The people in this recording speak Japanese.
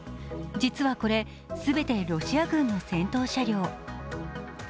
実はこれ、全てロシア軍の戦闘車両。